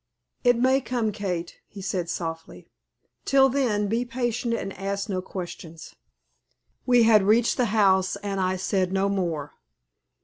"It may come, Kate," he said, softly. "Till then, be patient and ask no questions." We had reached the house, and I said no more.